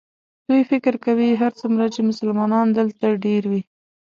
دوی فکر کوي هرڅومره چې مسلمانان دلته ډېر وي.